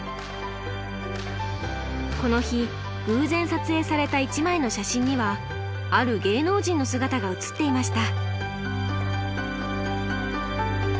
この日偶然撮影された１枚の写真にはある芸能人の姿が写っていました。